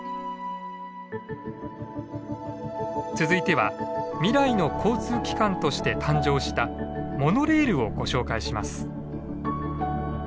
続いては「未来の交通機関」として誕生したモノレールをご紹介します。